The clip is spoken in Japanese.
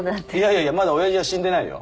いやまだ親父は死んでないよ。